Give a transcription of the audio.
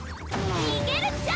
逃げるっちゃ！